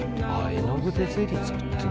絵の具でゼリー作ってる。